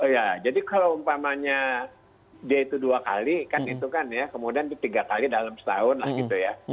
ya jadi kalau umpamanya dia itu dua kali kan itu kan ya kemudian tiga kali dalam setahun lah gitu ya